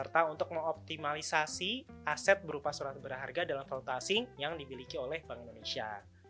dan untuk mengoptimalisasi aset berupa surat berharga dalam valutasi yang dibiliki oleh bank indonesia